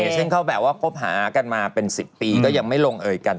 เช่นเขาแบบว่าคบหากันมาเป็น๑๐ปีก็ยังไม่ลงเอยกัน